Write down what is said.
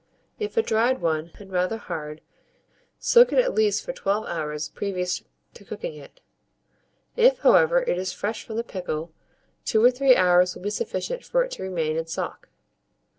If a dried one, and rather hard, soak it at least for 12 hours previous to cooking it; if, however, it is fresh from the pickle, 2 or 3 hours will be sufficient for it to remain in sock.